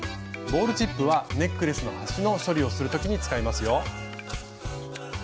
「ボールチップ」はネックレスの端の処理をする時に使いますよ。